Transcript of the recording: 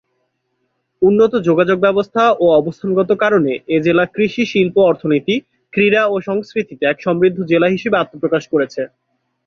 উন্নত যোগাযোগ ব্যবস্থা ও অবস্থানগত কারণে এ জেলা কৃষি, শিল্প, অর্থনীতি, ক্রীড়া ও সংস্কৃতিতে এক সমৃদ্ধ জেলা হিসাবে আত্মপ্রকাশ করেছে।